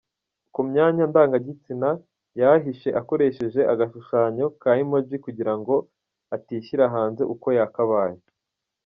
Ku myanya ndangagitsina yahahishe akoresheje agashushanyo ka emoji kugira ngo atishyira hanze uko yakabaye.